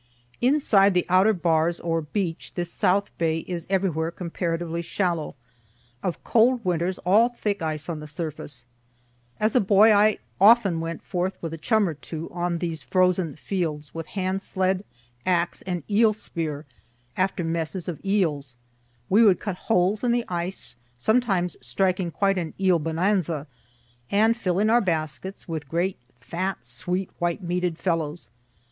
Inside the outer bars or beach this south bay is everywhere comparatively shallow; of cold winters all thick ice on the surface. As a boy I often went forth with a chum or two, on those frozen fields, with hand sled, axe and eel spear, after messes of eels. We would cut holes in the ice, sometimes striking quite an eel bonanza, and filling our baskets with great, fat, sweet, white meated fellows.